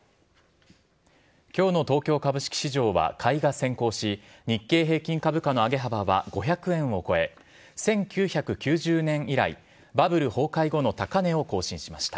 きょうの東京株式市場は買いが先行し、日経平均株価の上げ幅は５００円を超え、１９９０年以来、バブル崩壊後の高値を更新しました。